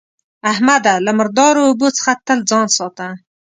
احمده! له مردارو اوبو څخه تل ځان ساته.